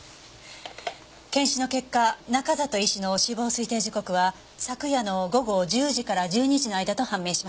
検視の結果中里医師の死亡推定時刻は昨夜の午後１０時から１２時の間と判明しました。